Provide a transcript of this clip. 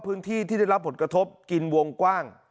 พื้นที่ที่ได้รับผลกระทบกินวงกว้าง